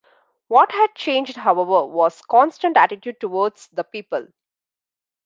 What had changed, however, was Constant's attitude towards the people.